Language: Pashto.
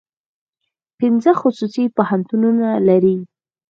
پنځه خصوصي پوهنتونونه لري.